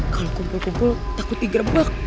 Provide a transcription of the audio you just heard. kalau kumpul kumpul takut tiga buah